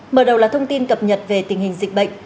mở đầu là thông tin cập nhật về tình hình dịch bệnh